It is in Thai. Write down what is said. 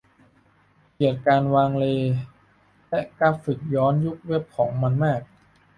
เกลียดการวางเลย์และกราฟิกย้อนยุคเว็บของมันมาก